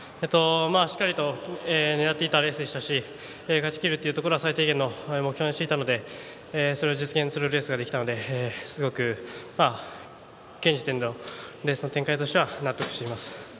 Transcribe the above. しっかりと狙っていたレースでしたし勝ち切るというところは最低限の目標にしていたのでそれを実現するレースができたのですごく、現時点ではレース展開として納得しています。